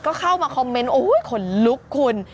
ก็เข้ามาคอมเมนต์โอ้ยขนลุกคุณ